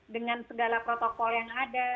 dengan segala protokol yang ada